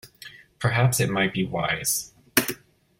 Perhaps it might be wise.